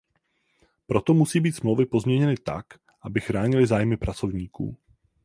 Proto musí být Smlouvy pozměněny tak, aby chránily zájmy pracovníků.